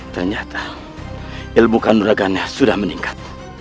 ternyata ilmu kanurakannya sudah meningkat